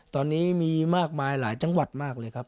ตอนนี้มีหลายจังหวดมากเลยครับ